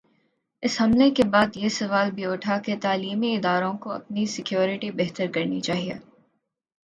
اس حملے کے بعد یہ سوال بھی اٹھا کہ تعلیمی اداروں کو اپنی سکیورٹی بہتر کرنی چاہیے۔